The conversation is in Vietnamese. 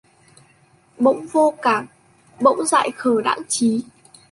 Bỗng vô cảm bỗng dại khờ đãng trí